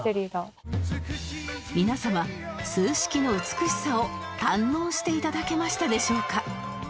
皆様数式の美しさを堪能して頂けましたでしょうか？